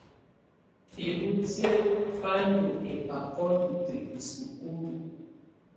Bǝ́lutiǝ́ bá ndɔ́ ɛ́bákɔ lutǝ́ isúkulu.